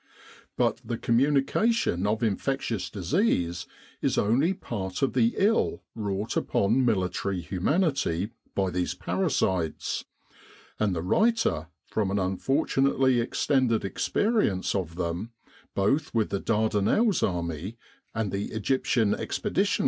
But the communication of infectious' disease is only part of the ill wrought upon military humanity by these parasites; and the writer from an unfor tunately extended experience of them, both with the Dardanelles Army and the E.E.F.